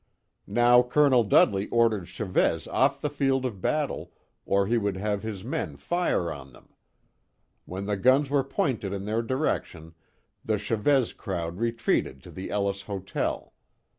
Now Col. Dudley ordered Chavez off the field of battle, or he would have his men fire on them. When the guns were pointed in their direction, the Chavez crowd retreated to the Ellis Hotel.